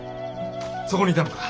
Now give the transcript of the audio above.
そこにいたのか。